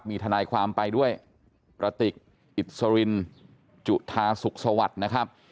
มีทนายความไปด้วยกระติกอิสรินจุธาสุขสวัสดิ์นะครับ